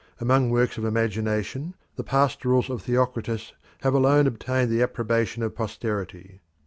Among works of imagination the pastorals of Theocritus have alone obtained the approbation of posterity.